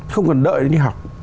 không cần đợi đến đi học